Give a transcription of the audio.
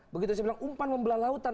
begitu saya bilang umpan membelah lautan